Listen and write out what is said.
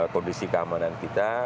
kondisi keamanan kita